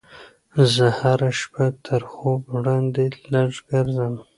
زه هره شپه تر خوب وړاندې لږ ګرځم.